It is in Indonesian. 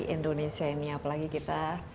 indonesia ini apalagi kita